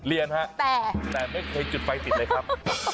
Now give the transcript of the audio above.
เรียนฮะแต่ไม่เคยจุดไฟติดเลยครับ